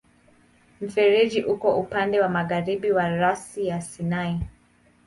Mfereji uko upande wa magharibi wa rasi ya Sinai.